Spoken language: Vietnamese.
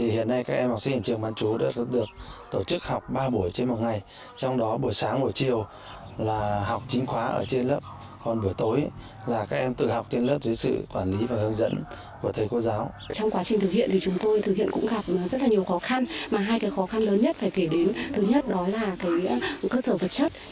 hai khó khăn lớn nhất phải kể đến thứ nhất là cơ sở vật chất